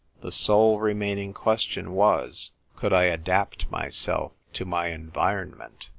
The sole remaining question was. Could I adapt myself to my en vironment